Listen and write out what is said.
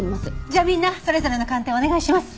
じゃあみんなそれぞれの鑑定をお願いします。